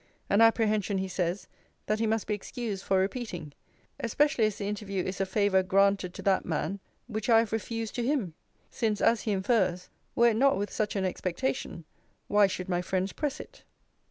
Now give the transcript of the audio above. An apprehension, he says, that he must be excused for repeating; especially as the interview is a favour granted to that man, which I have refused to him; since, as he infers, were it not with such an expectation, why should my friends press it?'